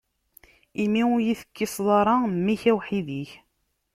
Imi ur yi-tekkiseḍ ara mmi-k, awḥid-ik.